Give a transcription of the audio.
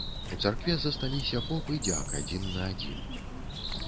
У царкве засталіся поп і дзяк адзін на адзін.